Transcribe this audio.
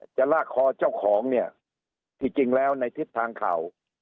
จะลากคอเจ้าของเนี่ยที่จริงแล้วในทิศทางข่าว